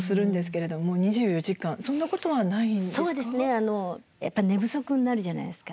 あのやっぱ寝不足になるじゃないですか。